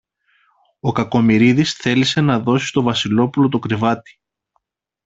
Ο Κακομοιρίδης θέλησε να δώσει στο Βασιλόπουλο το κρεβάτι.